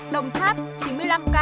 đồng tháp chín mươi năm ca